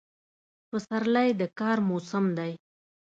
پسرلی د کار موسم دی.